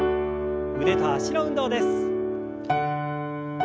腕と脚の運動です。